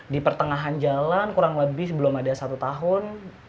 di pertengahan jalan kurang lebih sebelum ada satu tahun